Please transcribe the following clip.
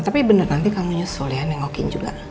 tapi bener nanti kamu nyusul ya nengokin juga